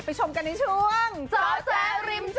ชมกันในช่วงจอแจริมจอ